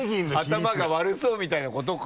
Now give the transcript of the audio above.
頭が悪そうみたいなことか？